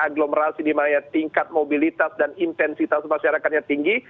agglomerasi di mana tingkat mobilitas dan intensitas masyarakatnya tinggi